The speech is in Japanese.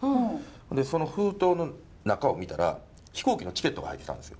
その封筒の中を見たら飛行機のチケットが入ってたんですよ。